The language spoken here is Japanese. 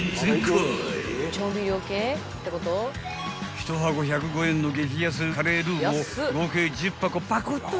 ［１箱１０５円の激安カレールウを合計１０箱パコッとな］